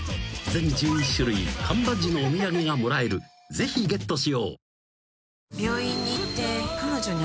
［ぜひゲットしよう］